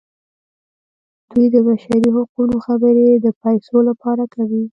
دوی د بشري حقونو خبرې د پیسو لپاره کوي.